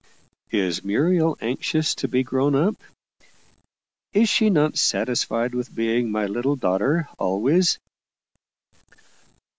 "Is Muriel anxious to be grown up? Is she not satisfied with being my little daughter always?"